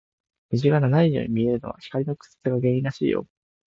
虹が七色に見えるのは、光の屈折が原因らしいよ。